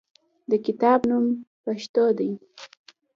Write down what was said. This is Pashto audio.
د کتاب نوم "پښتو" دی.